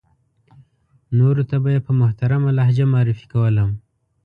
نورو ته به یې په محترمه لهجه معرفي کولم.